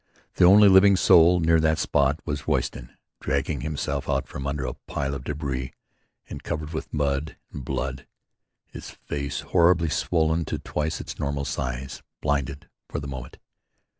The only living soul near that spot was Royston, dragging himself out from under a pile of débris and covered with mud and blood, his face horribly swollen to twice its normal size, blinded for the moment.